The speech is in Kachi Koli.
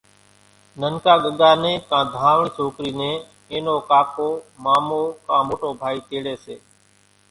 ننڪا ڳڳا نين ڪان ڌاوڻي سوڪري نين اين نو ڪاڪو مامو ڪان موٽو ڀائي تيڙي سي